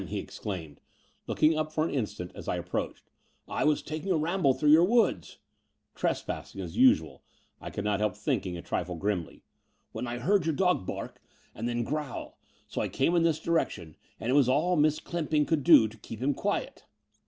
he exclaimed, looking up for an instant, as I approached. *' I was taking a ramble through your woods —"('* Trespassing as usual," I could not help thinking, a trifle grimly) — when I heard your dog bark, and then growl; so I came in this direction, and it was all Miss Clymping could do to keep him quiet."